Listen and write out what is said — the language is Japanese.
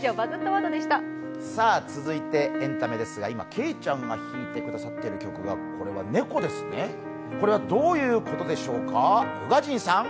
続いてエンタメですが、今けいちゃんが弾いてくださっている曲はこれは「猫」ですね、どういうことでしょうか。